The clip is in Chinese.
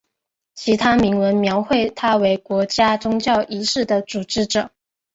其他铭文描绘他为国家宗教仪式的组织者。